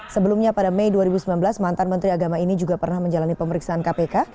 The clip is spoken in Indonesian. sebelumnya pada mei dua ribu sembilan belas mantan menteri agama ini juga pernah menjalani pemeriksaan kpk